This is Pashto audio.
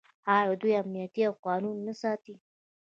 آیا دوی امنیت او قانون نه ساتي؟